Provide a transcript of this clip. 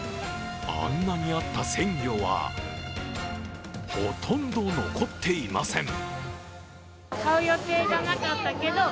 あんなにあった鮮魚は、ほとんど残っていません。